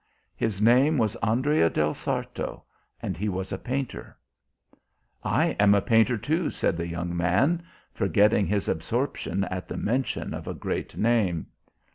His name was Andrea del Sarto, and he was a painter." "I am a painter, too," said the young man, forgetting his absorption at the mention of a great name.